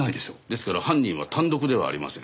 ですから犯人は単独ではありません。